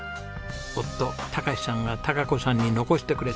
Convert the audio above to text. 夫孝さんが貴子さんに残してくれた言葉です。